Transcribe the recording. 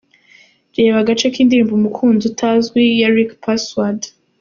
Reba agace k’indirimbo "Umukunzi utazwi" ya Ricky Password.